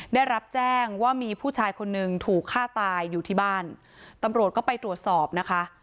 ได้รับแจ้งว่ามีผู้ชายคนหนึ่งถูกฆ่าตายอยู่ที่บ้านตำรวจก็ไปตรวจสอบนะคะ